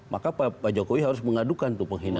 maka pak jokowi harus mengadukan tuh penghinaan